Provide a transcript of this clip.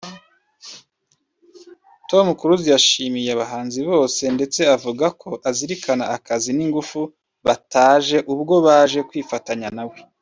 Tom Close yashimiye abahanzi bose ndetse avuga ko azirikana akazi n’ingufu bataje ubwo baje kwifatanya na we